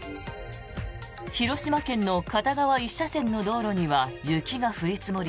広島県の片側１車線の道路には雪が降り積もり